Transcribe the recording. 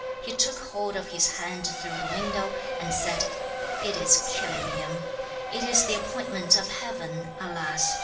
He took hold of his hand through the window, and said, 'It is killing him. It is the appointment of Heaven, alas!